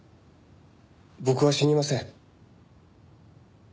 僕は死にません。